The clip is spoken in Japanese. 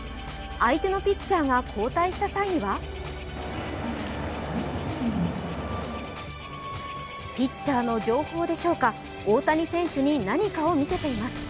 相手のピッチャーが交代した際にはピッチャーの情報でしょうか、大谷選手に何かを見せています。